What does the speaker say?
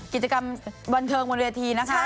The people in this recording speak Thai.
กิจกรรมบันเทิงบนวิทยาธินะคะ